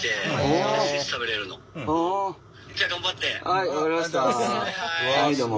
はい分かりました。